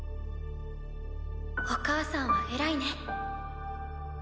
お母さんは偉いね。